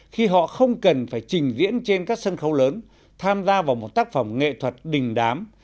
khi họ không cần phải trình diễn trên các sân khấu lớn tham gia vào một tác phẩm nghệ thuật đình đám